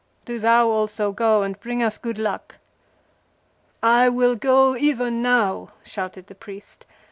Do thou also go and bring us good luck." "I will go even now!" shouted the priest.